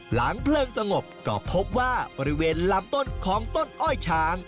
หลังเพลิงสงบก็พบว่าบริเวณลำต้นของต้นอ้อยช้าง